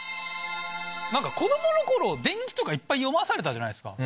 何か子供の頃伝記とかいっぱい読まされたじゃないですか。